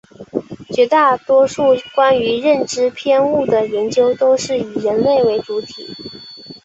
绝大多数关于认知偏误的研究都是以人类为主体。